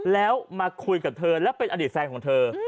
แล้วมาคุยกับเธอและเป็นอดีตแฟนของเธอ